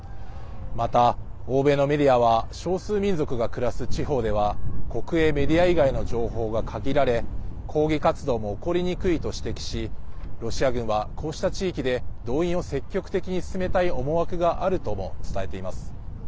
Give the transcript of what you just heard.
また、欧米のメディアは少数民族が暮らす地方では国営メディア以外の情報が限られ抗議活動も起こりにくいと指摘しロシア軍は、こうした地域で動員を積極的に進めたい思惑があるとも伝えています。